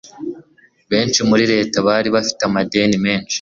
benshi muri leta bari bafite amadeni menshi